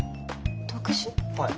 はい。